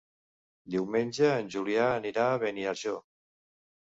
Diumenge en Julià anirà a Beniarjó.